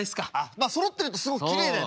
まあそろってるとすごくきれいだよね。